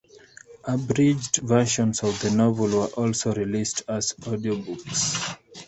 Abridged versions of the novels were also released as audiobooks.